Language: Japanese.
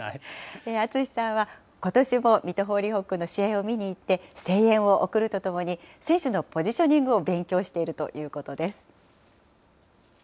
淳さんは、ことしも水戸ホーリーホックの試合を見にいって、声援を送るとともに、選手のポジショニングを勉強しているということです。